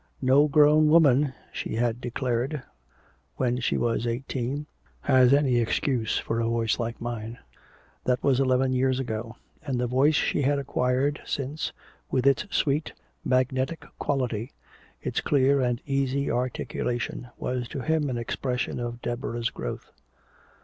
"No grown woman," she had declared, when she was eighteen, "has any excuse for a voice like mine." That was eleven years ago; and the voice she had acquired since, with its sweet magnetic quality, its clear and easy articulation, was to him an expression of Deborah's growth.